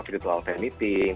virtual fan meeting